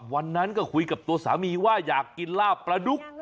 วันนั้นก็คุยกับตัวสามีว่าอยากกินลาบประดุ๊ก